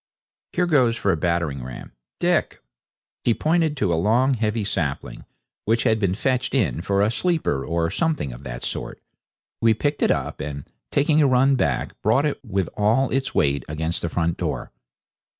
Here goes for a battering ram, Dick!' He pointed to a long, heavy sapling which had been fetched in for a sleeper or something of that sort. We picked it up, and, taking a run back, brought it with all its weight against the front door.